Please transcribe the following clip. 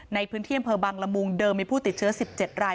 ในพื้นที่อำเภอบังละมุงเดิมมีผู้ติดเชื้อ๑๗ราย